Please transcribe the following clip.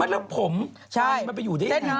แล้วผมมันไปอยู่ที่ไหน